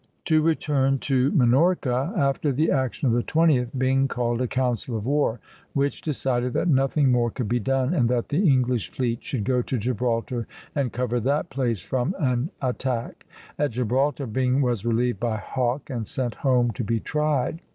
To return to Minorca; after the action of the 20th, Byng called a council of war, which decided that nothing more could be done, and that the English fleet should go to Gibraltar and cover that place from an attack. At Gibraltar, Byng was relieved by Hawke and sent home to be tried.